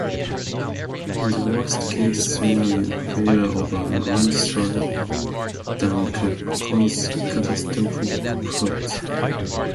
In the worst-case scenario, failure of a landslide dam could cause catastrophic floods.